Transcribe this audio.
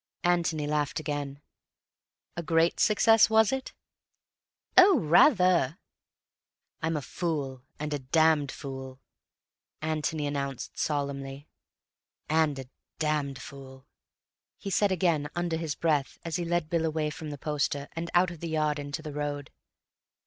Antony laughed again. "A great success, was it?" "Oh, rather!" "I'm a fool, and a damned fool," Antony announced solemnly. "And a damned fool," he said again under his breath, as he led Bill away from the poster, and out of the yard into the road.